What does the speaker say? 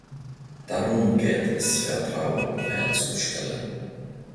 Darum geht es Vertrauen herzustellen!